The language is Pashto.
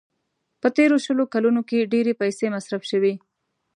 په تېرو شلو کلونو کې ډېرې پيسې مصرف شوې.